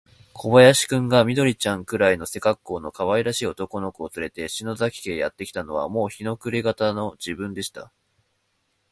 小林君が、緑ちゃんくらいの背かっこうのかわいらしい男の子をつれて、篠崎家へやってきたのは、もう日の暮れがた時分でした。